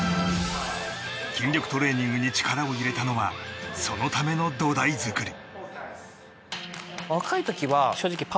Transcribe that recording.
筋力トレーニングに力を入れたのはそのための土台作り。